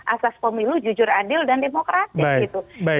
asas pemilu jujur adil dan demokratis gitu